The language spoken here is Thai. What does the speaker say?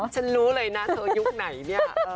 ฉันรู้เลยนะเธอยุคไหนเนี่ย